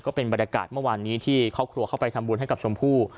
ก็เป็นบรรยากาศเมื่อวานนี้ที่ครอบครัวเข้าไปทำบุญให้กับชมพู่